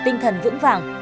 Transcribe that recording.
tinh thần vững vàng